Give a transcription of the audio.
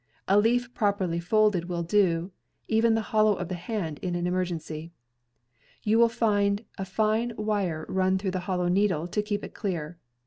A leaf properly folded will do; even the hollow of the hand in an emergency. You will find a fine wire run through the hollow needle to keep it clear.